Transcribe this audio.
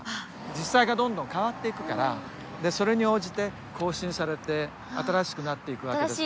実際がどんどん変わっていくからそれに応じて更新されて新しくなっていくわけです。